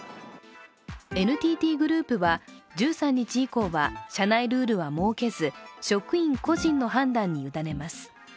ＮＴＴグループは、１３日以降は社内ルールは設けず、職員個人の判断に委ねます。